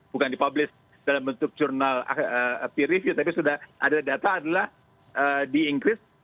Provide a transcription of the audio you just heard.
bukan dipublish dalam bentuk jurnal peer review tapi sudah ada data adalah diingkris